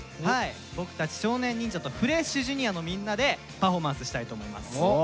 はい僕たち少年忍者とフレッシュＪｒ．のみんなでパフォーマンスしたいと思います。